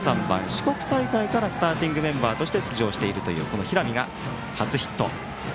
四国大会からスターティングメンバーとして出場しているという平見が初ヒット。